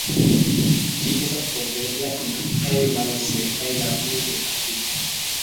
Ĝi estas trovebla en multaj malsekaj landoj de Afriko.